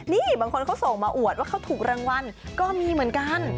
นี่บางคนเขาส่งมาอวดว่าเขาถูกรางวัลก็มีเหมือนกัน